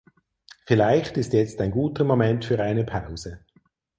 Vielleicht ist jetzt ein guter Moment für eine Pause.